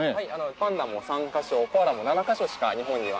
パンダも３カ所コアラも７カ所しか日本には。